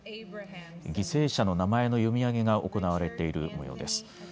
犠牲者の名前の読み上げが行われている模様です。